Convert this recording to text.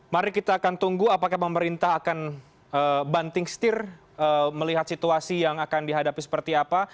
mari kita akan tunggu apakah pemerintah akan banting setir melihat situasi yang akan dihadapi seperti apa